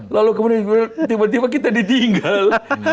lalu kemudian tiba tiba kita ditinggal